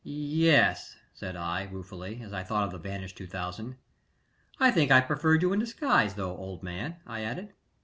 "Ye e es," said I, ruefully, as I thought of the vanished two thousand. "I think I preferred you in disguise, though, old man," I added.